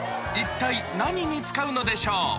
一体何に使うのでしょう？